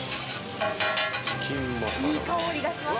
いい香りがします